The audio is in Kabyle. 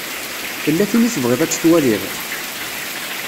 Tella tin i tebɣiḍ ad twaliḍ?